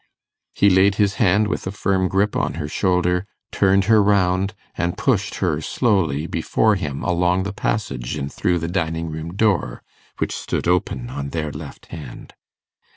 He laid his hand with a firm grip on her shoulder, turned her round, and pushed her slowly before him along the passage and through the dining room door, which stood open on their left hand.